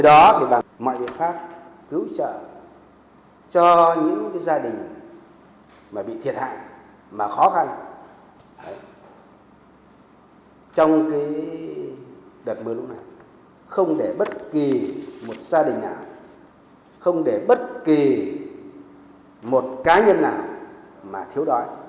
đợt mưa lúc này không để bất kỳ một gia đình nào không để bất kỳ một cá nhân nào mà thiếu đói